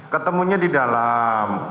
ketemunya di dalam